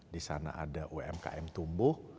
disana ada umkm tumbuh